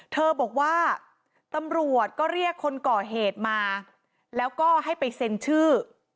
เธอบอกว่าตำรวจก็เรียกคนก่อเหตุมาแล้วก็ให้ไปเซ็นชื่อ